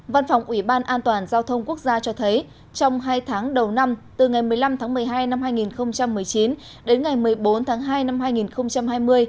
văn phòng ủy ban an toàn giao thông quốc gia cho thấy trong hai tháng đầu năm từ ngày một mươi năm tháng một mươi hai năm hai nghìn một mươi chín đến ngày một mươi bốn tháng hai năm hai nghìn hai mươi